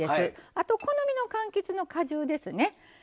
あと好みのかんきつの果汁ですね。